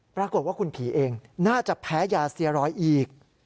ปรากฏว่าคุณผีเองน่าจะแพ้ยาเซียรอยอีก